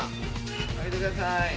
上げてください。